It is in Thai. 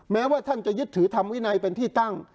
แม้ว่าท่านจะยึดถือทำวินัยเป็นที่ตั้ง